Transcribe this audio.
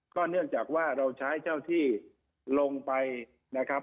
เนื่องจากว่าเราใช้เจ้าที่ลงไปนะครับ